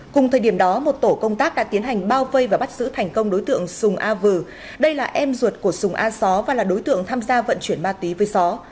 cùng thời điểm đó một tổ công tác đã tiến hành bao vây và bắt giữ thành công đối tượng sùng a vừ đây là em ruột của sùng a só và là đối tượng tham gia vận chuyển ma túy với gió